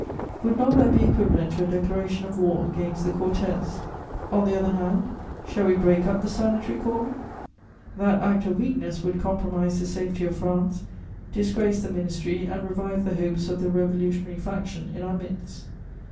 Would not that be equivalent to a declaration of war against the Cortes? On the other hand, shall we break up the sanitary cordon? That act of weakness would compromise the safety of France, disgrace the ministry and revive the hopes of the revolutionary faction in our midst.